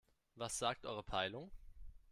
Was sagt eure Peilung?